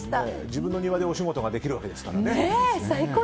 自分の庭でお仕事できるわけですからね。